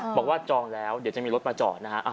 บอกว่าจองแล้วเดี๋ยวจะมีรถมาจอดนะฮะ